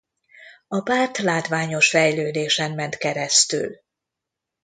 A párt látványos fejlődésen ment keresztül.